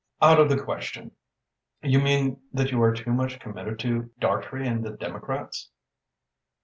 "Out of the question!" "You mean that you are too much committed to Dartrey and the Democrats?"